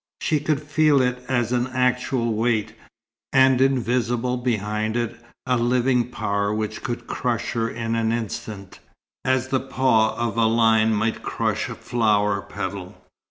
She could feel it as an actual weight; and invisible behind it a living power which could crush her in an instant, as the paw of a lion might crush a flower petal.